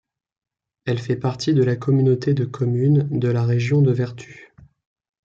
Elle fait partie de la communauté de communes de la Région de Vertus.